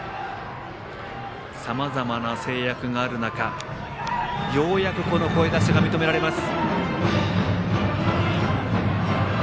さまざまな制約がある中ようやく、この声出しが認められます。